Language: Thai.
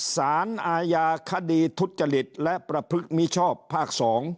สารอายาคดีทุจจฤทธิ์และประพฤกษ์มีชอบภาค๒